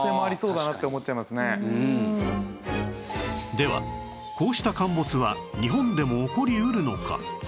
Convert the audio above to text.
ではこうした陥没は日本でも起こりうるのか？